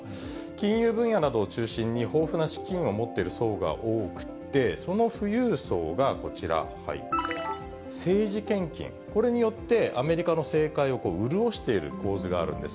金融分野などを中心に、豊富な資金を持ってる層が多くて、その富裕層がこちら、政治献金、これによって、アメリカの政界を潤している構図があるんです。